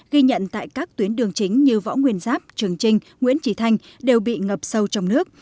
ghi nhận tại các tuyến đường chính như võ nguyên giáp trường trinh nguyễn trí thanh đều bị ngập sâu trong nước